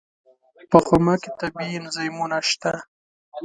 په خرما کې طبیعي انزایمونه شته.